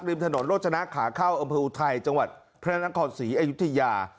ริมถนนโรจนะขาเข้าอำเภออุทัยจังหวัดพระนครศรีอยุธยา